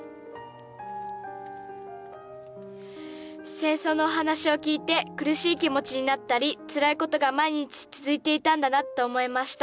戦争のお話を聞いて苦しい気持ちになったりつらいことが毎日続いていたんだなと思いました。